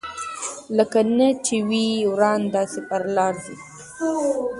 لکه نه چي وي روان داسي پر لار ځي